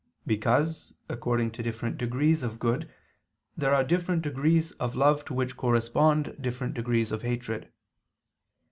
Because, according to different degrees of good there are different degrees of love to which correspond different degrees of hatred.